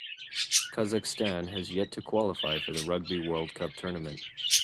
Kazakhstan has yet to qualify for the Rugby World Cup tournament.